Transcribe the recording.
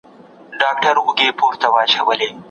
روغتیايي ستونزې د فقر له امله پیدا کیږي.